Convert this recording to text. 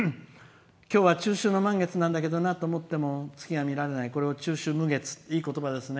今日は中秋の満月なんだと思っても月が見られないこれを「中秋無月」いい言葉ですね。